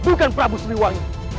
bukan prabu siliwangi